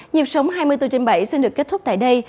nhịp sống hai mươi bốn trên bảy xin được kết thúc tại đây